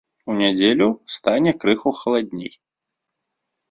У нядзелю стане крыху халадней.